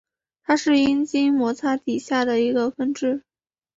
它是阴茎摩擦底下的一个分支。